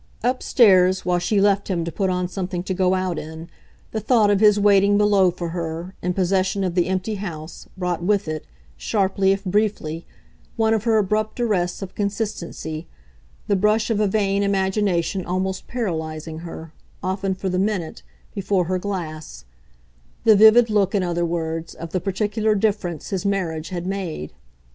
Upstairs, while she left him to put on something to go out in, the thought of his waiting below for her, in possession of the empty house, brought with it, sharply if briefly, one of her abrupt arrests of consistency, the brush of a vain imagination almost paralysing her, often, for the minute, before her glass the vivid look, in other words, of the particular difference his marriage had made.